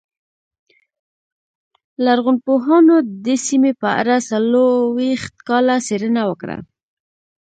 لرغونپوهانو د دې سیمې په اړه څلوېښت کاله څېړنه وکړه